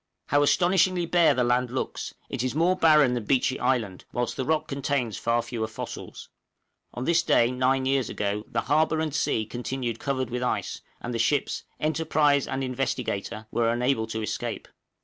How astonishingly bare the land looks; it is more barren than Beechey Island, whilst the rock contains far fewer fossils! On this day nine years ago the harbor and sea continued covered with ice, and the ships ('Enterprise' and 'Investigator') were unable to escape.